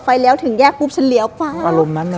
ไฟเลี้ยวถึงแยกปุ๊บฉันเหลียวฟ้าวเข้าบ้านฉัน